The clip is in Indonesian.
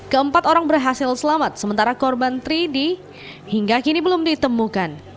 keempat orang berhasil selamat sementara korban tiga d hingga kini belum ditemukan